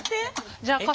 じゃあ傘。